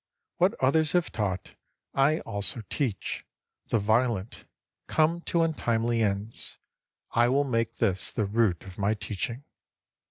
What others have taught, I also teach ; the violent come to untimely ends. I will make this the root of my teaching.